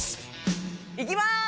行きます！